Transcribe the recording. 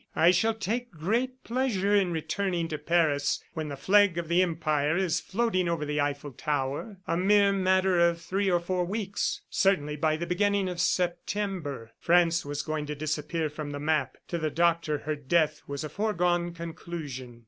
I shall take great pleasure in returning to Paris when the flag of the Empire is floating over the Eiffel Tower, a mere matter of three or four weeks, certainly by the beginning of September." France was going to disappear from the map. To the Doctor, her death was a foregone conclusion.